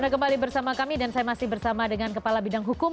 anda kembali bersama kami dan saya masih bersama dengan kepala bidang hukum